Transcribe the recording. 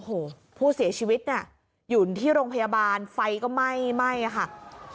โอ้โหผู้เสียชีวิตน่ะอยู่ที่โรงพยาบาลไฟก็ไหม้ไหม้ค่ะ